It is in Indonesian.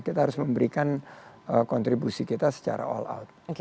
kita harus memberikan kontribusi kita secara all out